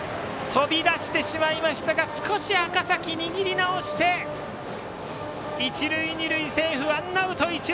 飛び出してしまいましたが少し赤嵜、握りなおして一塁二塁、セーフ、ワンアウト。